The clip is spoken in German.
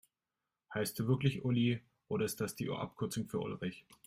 Heißt du wirklich Uli, oder ist das die Abkürzung für Ulrich?